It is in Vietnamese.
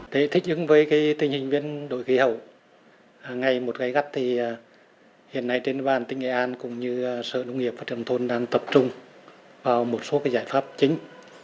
thích ứng với tình hình biển đổi khí hậu ngày một gây gắt thì hiện nay trên ban tỉnh nghệ an cũng như sở nông nghiệp và phát triển nông thôn đang tập trung vào một số giải pháp chính